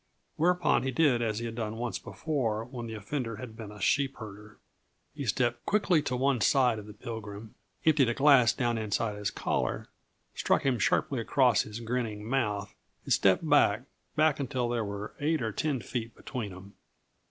Whereupon he did as he had done once before when the offender had been a sheepherder. He stepped quickly to one side of the Pilgrim, emptied a glass down inside his collar, struck him sharply across his grinning mouth, and stepped back back until there were eight or ten feet between them.